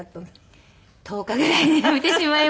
１０日ぐらいで辞めてしまいました。